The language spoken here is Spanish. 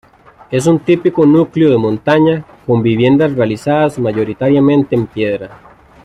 Es un típico núcleo de montaña con viviendas realizadas mayoritariamente en piedra.